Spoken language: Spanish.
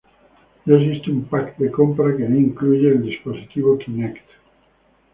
Ya existe un pack de compra que no incluye el dispositivo Kinect.